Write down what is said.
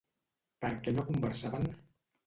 Per què no conversaven?